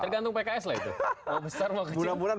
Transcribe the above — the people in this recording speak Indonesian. gantung pks lagi besar mau kejadian